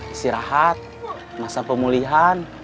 istirahat masa pemulihan